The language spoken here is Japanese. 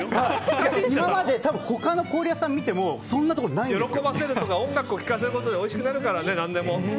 今まで、他の氷屋さん見ても喜ばせるとか音楽を聴かせることでおいしくなるからね、何でも。